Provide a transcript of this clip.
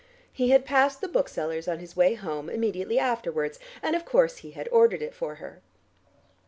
He had passed the bookseller's on his way home immediately afterwards and of course he had ordered it for her.